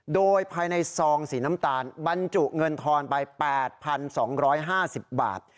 โดยภายในซองสีน้ำตาลบรรจุเงินทอนไป๘๒๕๐บาท